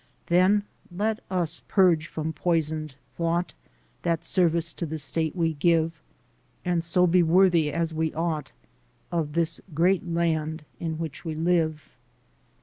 Then let us purge from poisoned thought That service to the state we give, And so be worthy as we ought Of this great land in which we live!